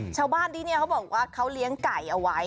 ชาวบ้านที่นี่เขาบอกว่าเขาเลี้ยงไก่เอาไว้